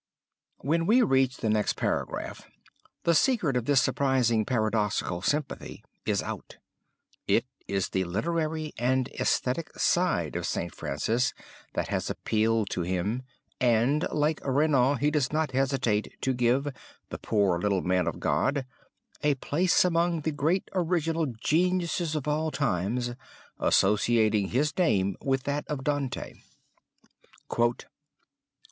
When we reach the next paragraph the secret of this surprising paradoxical sympathy is out. It is the literary and esthetic side of St. Francis that has appealed to him, and like Renan he does not hesitate to give "the poor little man of God" a place among the great original geniuses of all time, associating his name with that of Dante.